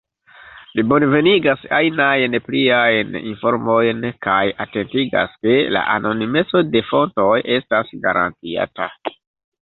Ni bonvenigas ajnajn pliajn informojn kaj atentigas, ke la anonimeco de fontoj estas garantiata.